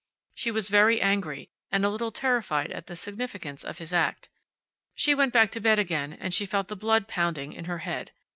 She was very angry, and a little terrified at the significance of his act. She went back to bed again, and she felt the blood pounding in her head.